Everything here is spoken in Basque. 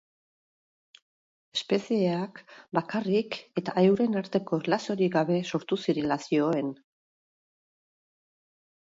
Espezieak bakarrik eta euren arteko erlaziorik gabe sortu zirela zioen.